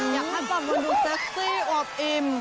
อยากให้มันดูซักซี่อบอิ่ม